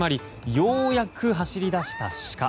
ようやく走り出したシカ。